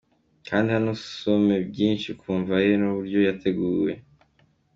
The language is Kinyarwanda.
Kanda hano usome byinshi ku mva ye n’uburyo yateguwe.